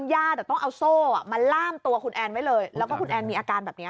เอ้ยเอาน้ำมนต์หน่อยไหมเอาอ่ะน้ำมนต์น่ะมึงชอบกินน้ำมนต์ไง